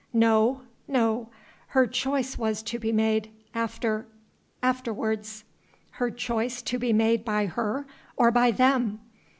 "No, no ... her choice was to be made after ... afterwards." "Her choice to be made by her or by them?"